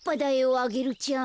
アゲルちゃん。